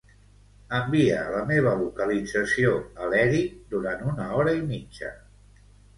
Envia la meva localització a l'Èric durant una hora i mitja.